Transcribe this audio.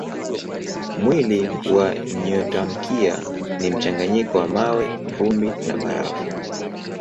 Mwili wa nyotamkia ni mchanganyiko wa mawe, vumbi na barafu.